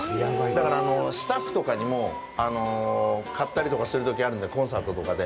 だから、スタッフとかにも買ったりとかするときあるんだよコンサートとかで。